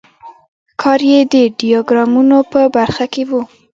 کار یې د ډیاګرامونو په برخه کې و.